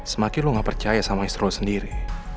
semakin lo gak percaya sama istri lo sendiri